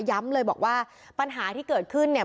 ย้ำเลยบอกว่าปัญหาที่เกิดขึ้นเนี่ย